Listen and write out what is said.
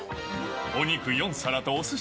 お肉４皿とおすし